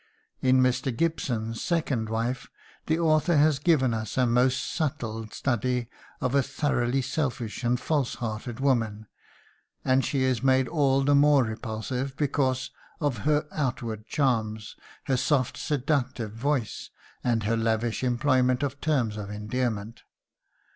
In Mr. Gibson's second wife the author has given us a most subtle study of a thoroughly selfish and false hearted woman, and she is made all the more repulsive because of her outward charms, her soft seductive voice and her lavish employment of terms of endearment.